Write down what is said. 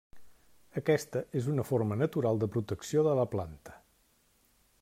Aquesta és una forma natural de protecció de la planta.